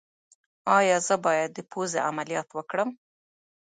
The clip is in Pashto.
ایا زه باید د پوزې عملیات وکړم؟